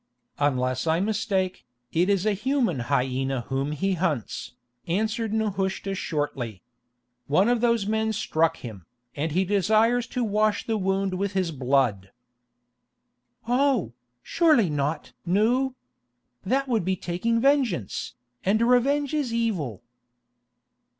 "Unless I mistake, it is a human hyena whom he hunts," answered Nehushta shortly. "One of those men struck him, and he desires to wash the wound with his blood." "Oh, surely not! Nou. That would be taking vengeance, and revenge is evil."